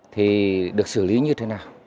thì được xử lý như thế nào